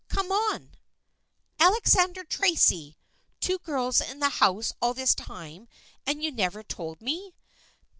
Come on !"" Alexander Tracy ! Two girls in the house all this time and you never told me